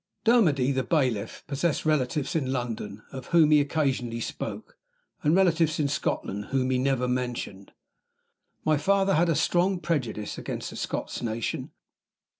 Dermody, the bailiff, possessed relatives in London, of whom he occasionally spoke, and relatives in Scotland, whom he never mentioned. My father had a strong prejudice against the Scotch nation.